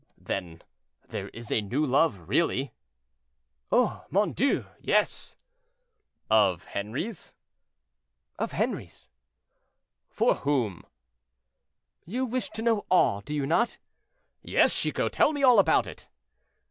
"Then there is a new love, really?" "Oh! mon Dieu! yes." "Of Henri's?" "Of Henri's." "For whom?" "You wish to know all, do you not?" "Yes, Chicot; tell me all about it."